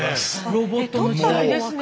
ロボットの時代ですね。